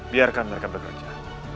biarkan mereka bekerja